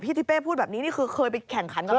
พี่ทิเบ่พูดแบบนี้คือเคยไปแข่งขันกันไหม